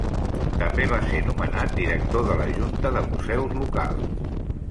També va ser nomenat director de la junta de museus locals.